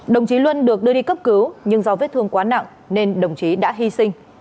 đồng chí luân được đưa đi cấp cứu nhưng do vết thương quá nặng nên đồng chí đã hy sinh